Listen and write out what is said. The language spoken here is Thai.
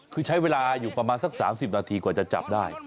คือใช้เวลาอยู่ประมาณสัก๓๐นาทีกว่าจะจับได้